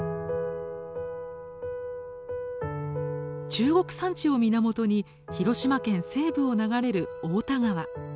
中国山地を源に広島県西部を流れる太田川。